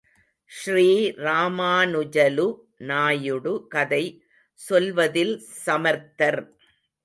ஸ்ரீராமாநுஜலு நாயுடு கதை செல்லுவதில் சமர்த்தர்.